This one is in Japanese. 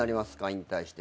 引退して。